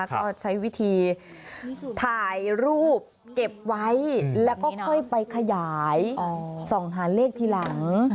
ก็ใช้วิธีถ่ายรูปเก็บไว้แล้วก็ค่อยไปขยายส่องหาเลขทีหลัง